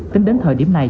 tính đến thời điểm này